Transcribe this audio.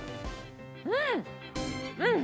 うん！